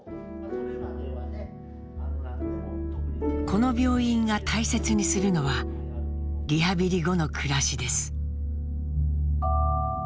この病院が大切にするのはリハビリ後の暮らしです。